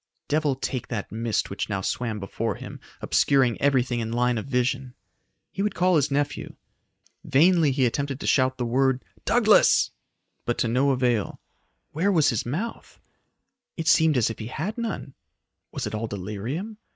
Devil take that mist which now swam before him, obscuring everything in line of vision. He would call his nephew. Vainly he attempted to shout the word "Douglas," but to no avail. Where was his mouth? It seemed as if he had none. Was it all delirium?